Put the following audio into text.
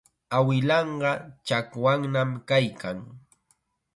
Awilanqa chakwannam kaykan.